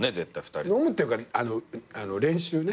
飲むっていうか練習ね。